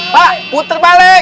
pak puter balik